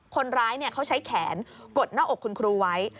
คนร้ายเขาใช้แขนกดหน้าอกคุณครูไว้